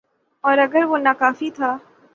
اوراگر وہ ناکافی تھا۔